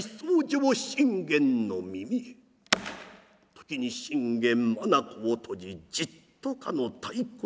時に信玄眼を閉じじっとかの太鼓の音を。